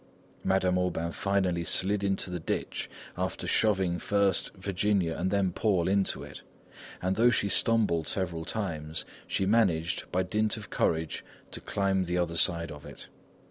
Madame Aubain finally slid into the ditch, after shoving first Virginia and then Paul into it, and though she stumbled several times she managed, by dint of courage, to climb the other side of it.